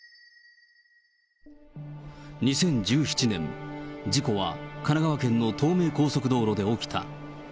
２０１７年、事故は神奈川県の東名高速道路で起きた。